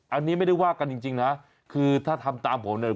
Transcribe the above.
อันนี้ไม่ได้ว่ากันจริงนะคือถ้าทำตามผมเนี่ย